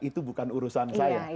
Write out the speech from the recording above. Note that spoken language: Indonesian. itu bukan urusan saya